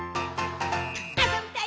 「あそびたい！